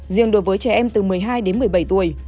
riêng đối với trẻ em từ một mươi hai tuổi